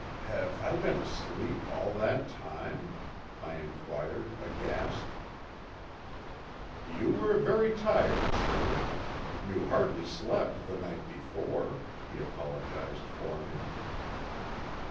"Have I been asleep all that time?" I inquired aghast. "You were very tired, sir. You hardly slept the night before," he apologized for me.